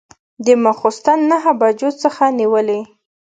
د ماخوستن نهه بجو څخه نیولې.